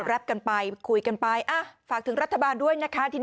กันไปคุยกันไปฝากถึงรัฐบาลด้วยนะคะ